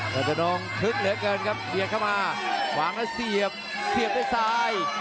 ราชดองคึกเหลือเกินครับเบียดเข้ามาขวางแล้วเสียบเสียบด้วยซ้าย